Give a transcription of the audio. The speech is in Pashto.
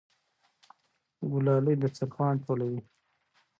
ګلالۍ دسترخوان ټولوي.